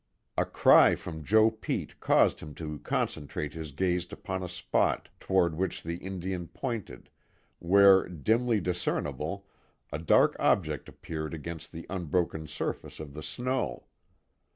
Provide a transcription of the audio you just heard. A cry from Joe Pete cause him to concentrate his gaze upon a spot toward which the Indian pointed, where, dimly discernible, a dark object appeared against the unbroken surface of the snow.